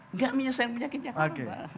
enggak menyelesaikan penyakit jakarta